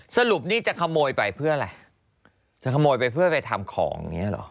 สรุปนี่จะขโมยไปเพื่ออะไรจะขโมยไปเพื่อไปทำของอย่างนี้เหรอ